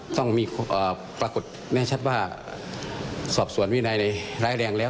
ต้องมีปรากฏแน่ชัดว่าสอบสวนวินัยร้ายแรงแล้ว